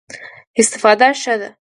استفاده ښه ده.